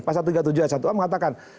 pasal tiga puluh tujuh ayat satu a mengatakan